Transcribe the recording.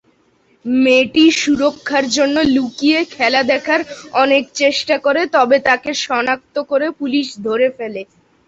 মেয়েটি সুরক্ষার জন্য লুকিয়ে খেলা দেখার অনেক চেষ্টা করে, তবে তাকে শনাক্ত করে পুলিশ ধরে ফেলে।